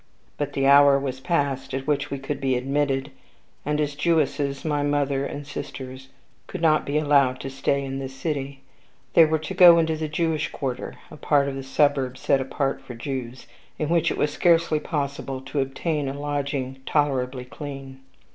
But the hour was past at which we could be admitted, and, as Jewesses, my mother and sisters could not be allowed to stay in the city; they were to go into the Jewish quarter, a part of the suburb set apart for Jews, in which it was scarcely possible to obtain a lodging tolerably clean.